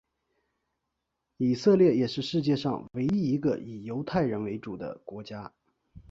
以色列也是世界上唯一一个以犹太人为主的国家。